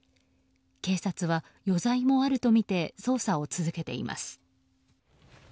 警察は余罪もあるとみて捜査を続けています。